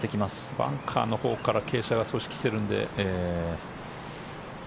バンカーのほうから少し傾斜が来てるので。